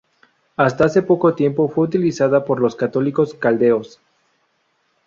Hasta hace poco tiempo fue utilizada por los católicos caldeos.